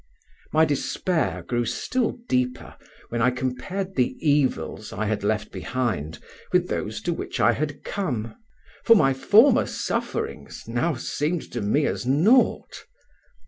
My despair grew still deeper when I compared the evils I had left behind with those to which I had come, for my former sufferings now seemed to me as nought.